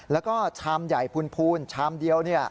แล้วก็ชามใหญ่พูนชามเดียว